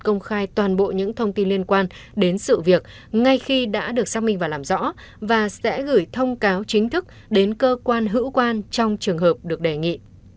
công khai toàn bộ những thông tin liên quan đến sự việc ngay khi đã được xác minh và làm rõ và sẽ gửi thông cáo chính thức đến cơ quan hữu quan trong trường hợp được đề nghị